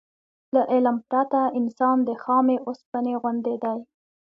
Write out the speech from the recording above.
له علم پرته انسان د خامې اوسپنې غوندې دی.